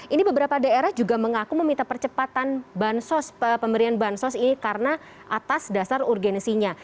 ini beberapa daerah juga mengaku meminta percepatan pemberian bansos ini karena atas dasar urgensinya